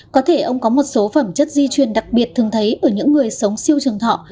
có thể ông có một số phẩm chất di truyền đặc biệt thường thấy ở những người sống siêu trường thọ